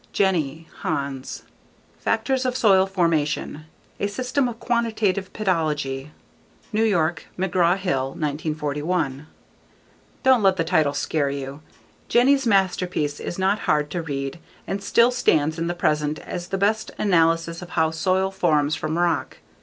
Jenny, Hans. Factors of Soil Formation: a System of Quantitative Pedology. New York: McGraw Hill, 1941. Don't let the title scare you. Jenny's masterpiece is not hard to read and still stands in the present as the best analysis of how soil forms from rock.